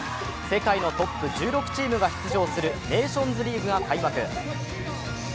世界のトップ１６チームが出場するネーションズリーグが開幕。